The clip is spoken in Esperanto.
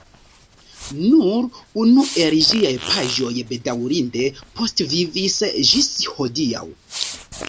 Nur unu el ĝiaj paĝoj bedaŭrinde postvivis ĝis hodiaŭ.